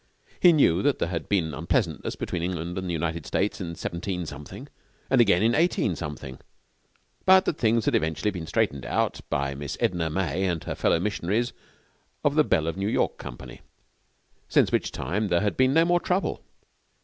He knew that there had been unpleasantness between England and the United States in seventeen something and again in eighteen something, but that things had eventually been straightened out by Miss Edna May and her fellow missionaries of the Belle of New York Company, since which time there had been no more trouble.